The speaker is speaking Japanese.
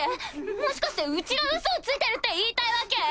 もしかしてうちがウソをついてるって言いたいわけ？